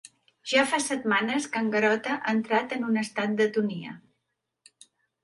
Ja fa setmanes que en Garota ha entrat en un estat d'atonia.